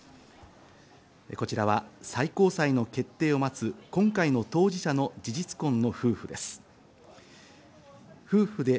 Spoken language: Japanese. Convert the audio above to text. こちらは最高裁の決定を待つ今回の当事者の事実婚の夫婦です。